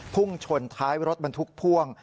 พุ่งชนท้ายรถบรรทุกพ่วง